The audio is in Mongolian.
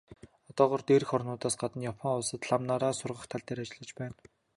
Одоогоор дээрх орнуудаас гадна Япон улсад лам нараа сургах тал дээр ажиллаж байна.